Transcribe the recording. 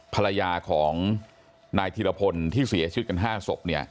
ภรรยาของนายธีรพลที่เสียชีวิตกัน๕ศพ